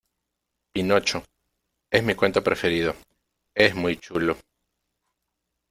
pinocho. es mi cuento preferido . es muy chulo .